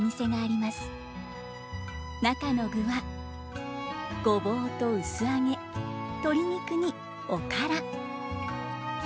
中の具はごぼうと薄揚げ鶏肉におから。